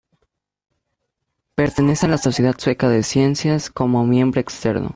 Pertenece a la sociedad sueca de ciencias, como miembro externo.